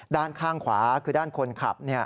ด้านข้างขวาคือด้านคนขับ